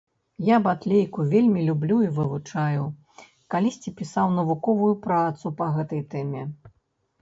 Я батлейку вельмі люблю і вывучаю, калісьці пісаў навуковую працу па гэтай тэме.